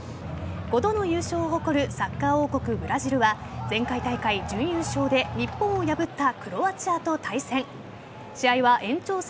５度の優勝を誇るサッカー王国・ブラジルは前回大会、準優勝で日本を破ったクロアチアと対戦。